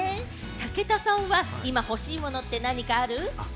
武田さんは今、欲しいものって何かある？